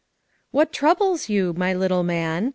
"What troubles you, my little man?"